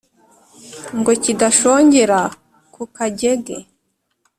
ngo kidashongera ku kagege.